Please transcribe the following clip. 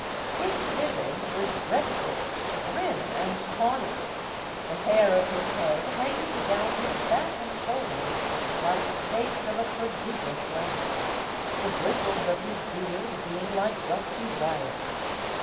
His visage was dreadful, grim and tawny; the hair of his head hanging down his back and shoulders like snakes of a prodigious length; the bristles of his beard being like rusty wire.